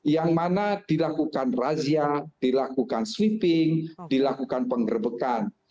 yang mana dilakukan razia dilakukan sweeping dilakukan penggerbekan